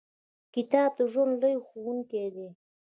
• کتاب د ژوند لوی ښوونکی دی.